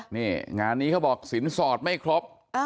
นี่งานนี้เขาบอกสินสอดไม่ครบ